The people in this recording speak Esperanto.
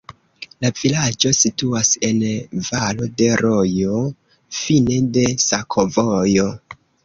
La vilaĝo situas en valo de rojo, fine de sakovojo.